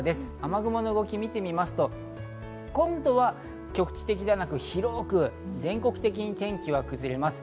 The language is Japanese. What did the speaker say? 雨雲の動きを見てみますと今度は局地的ではなく、広く全国的に天気は崩れます。